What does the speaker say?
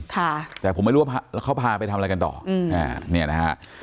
แต่ผมไม่รู้ว่าเขาพาไปทำอะไรกันต่อ